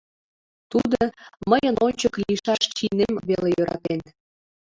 Тудо мыйын ончык лийшаш чинем веле йӧратен.